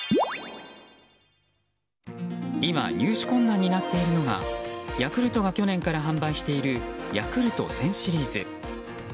今、入手困難になっているのがヤクルトが去年から販売しているヤクルト１０００シリーズ。